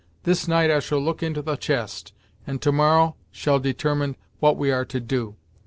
This night I shall look into the chest, and to morrow shall determine what we are to do.